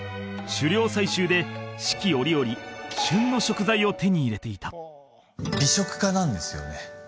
狩猟採集で四季折々旬の食材を手に入れていた美食家なんですよね